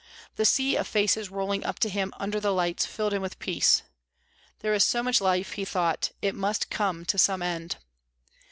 The sea of faces rolling up to him under the lights filled him with peace. "There is so much of life," he thought, "it must come to some end."